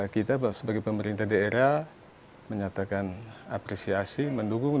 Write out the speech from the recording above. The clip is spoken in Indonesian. kita sebagai pemerintah daerah menyatakan apresiasi mendukung